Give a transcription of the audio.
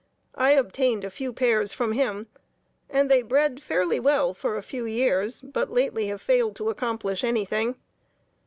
I obtained a few pairs from him, and they bred fairly well for a few years, but lately have failed to accomplish anything.